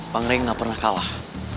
bang ray nggak pernah kalah